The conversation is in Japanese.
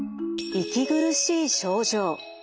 息苦しい症状。